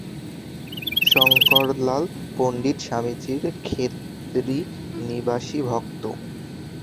শঙ্করলাল, পণ্ডিত স্বামীজীর খেতড়ি-নিবাসী ভক্ত।